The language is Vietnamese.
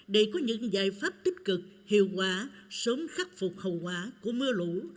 để có những giải pháp tích cực hiệu quả sớm khắc phục hậu quả của mưa lũ